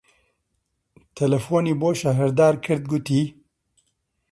تەلەفۆنی بۆ شەهردار کرد، گوتی: